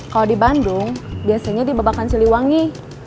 kalau di bandung biasanya di babakan siliwangi